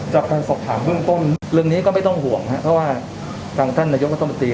จากการสอบถามเบื้องต้นเรื่องนี้ก็ไม่ต้องห่วงครับเพราะว่าทางท่านนายกรัฐมนตรี